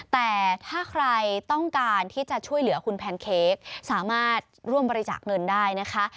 แต่ถ้าใครต้องการที่จะช่วยเหลือคุณแพนเค้กสามารถร่วมบริจาคเงินได้นะคะ